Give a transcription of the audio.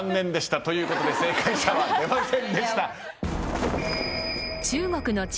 ということで正解者は出ませんでした。